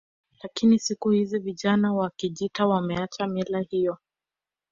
Lakini siku hizi vijana wa Kijita wameacha mila hiyo